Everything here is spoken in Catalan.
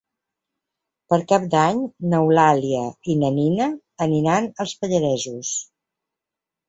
Per Cap d'Any n'Eulàlia i na Nina aniran als Pallaresos.